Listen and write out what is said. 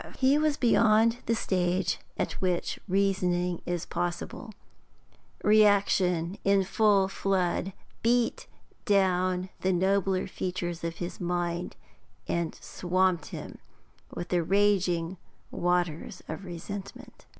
He was beyond the stage at which reasoning is possible; reaction, in full flood, beat down the nobler features of his mind and swamped him with the raging waters of resentment.